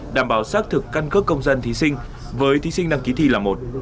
đảm bảo xác thực căn cước công dân thí sinh với thí sinh đăng ký thi là một